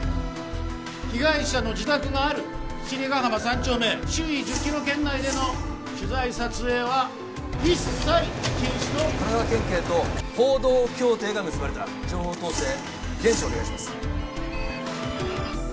被害者の自宅がある七里ヶ浜三丁目周囲１０キロ圏内での取材撮影は一切禁止と神奈川県警と報道協定が結ばれた情報統制厳守お願いします